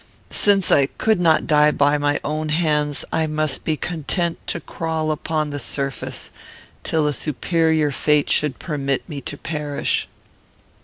Since I could not die by my own hands, I must be content to crawl upon the surface, till a superior fate should permit me to perish.